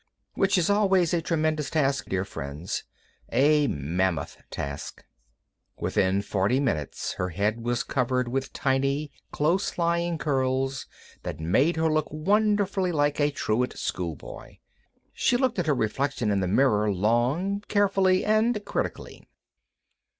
Which is always a tremendous task, dear friends—a mammoth task. Within forty minutes her head was covered with tiny, close lying curls that made her look wonderfully like a truant schoolboy. She looked at her reflection in the mirror long, carefully, and critically.